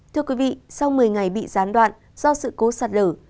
thưa quý vị sau một mươi ngày bị gián đoạn do sự cố sạt lở